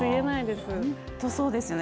本当そうですよね